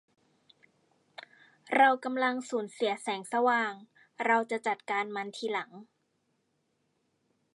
เรากำลังสูญเสียแสงสว่าง เราจะจัดการมันทีหลัง